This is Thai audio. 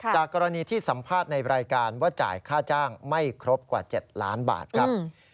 จากกรณีที่สัมภาษณ์ในรายการว่าจ่ายค่าจ้างไม่ครบกว่า๗ล้านบาทครับ